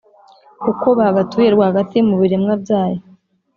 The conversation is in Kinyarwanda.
Uko bagatuye rwagati mu biremwa byayo,